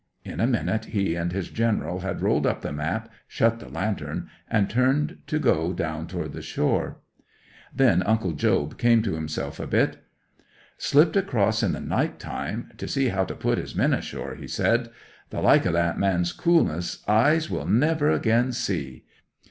In a minute he and his general had rolled up the map, shut the lantern, and turned to go down toward the shore. 'Then Uncle Job came to himself a bit. "Slipped across in the night time to see how to put his men ashore," he said. "The like o' that man's coolness eyes will never again see!